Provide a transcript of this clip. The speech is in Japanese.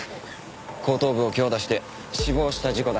後頭部を強打して死亡した事故だ。